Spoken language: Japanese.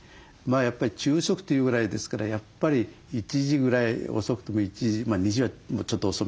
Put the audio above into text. やっぱり昼食というぐらいですからやっぱり１時ぐらい遅くとも１時２時はちょっと遅めになるかな。